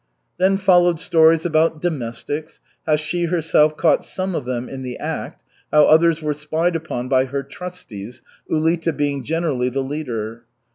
Then followed stories about domestics, how she herself "caught some of them in the act," how others were spied upon by her trusties, Ulita being generally the leader.